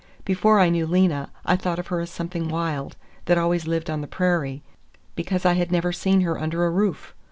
Before I knew Lena, I thought of her as something wild, that always lived on the prairie, because I had never seen her under a roof.